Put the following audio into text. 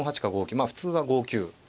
まあ普通は５九。